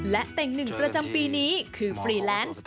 และเต่งหนึ่งประจำปีนี้คือฟรีแลนซ์